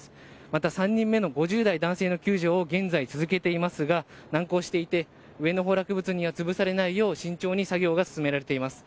また３人目の５０代男性の救助を現在、続けていますが難航していて上の崩落物に潰されないよう慎重に作業が進められています。